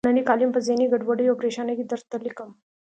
نننۍ کالم په ذهني ګډوډۍ او پریشانۍ کې درته لیکم.